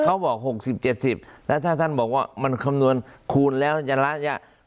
เขาบอก๖๐๗๐แล้วถ้าท่านบอกว่ามันคำนวณคูณแล้วจะระยะ